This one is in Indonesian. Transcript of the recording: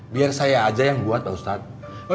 biar saya aja yang buat ustadz